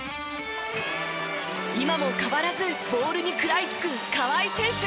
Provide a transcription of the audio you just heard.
今も変わらずボールに食らいつく川井選手。